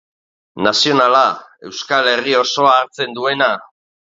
Nazionala, Euskal Herri osoa hartzen duena.